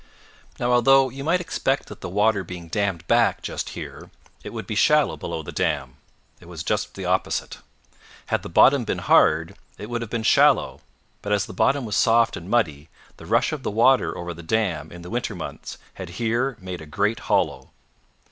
Now, although you might expect that the water being dammed back just here, it would be shallow below the dam, it was just the opposite. Had the bottom been hard, it would have been shallow; but as the bottom was soft and muddy, the rush of the water over the dam in the winter floods had here made a great hollow.